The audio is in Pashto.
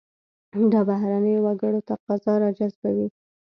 دا بهرنیو وګړو تقاضا راجذبوي.